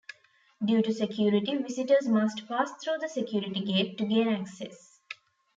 Due to security, visitors must pass through the security gate to gain access.